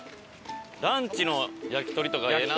ランチの焼き鳥とかええな。